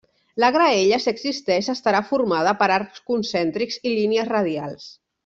La graella, si existeix, estarà formada per arcs concèntrics i línies radials.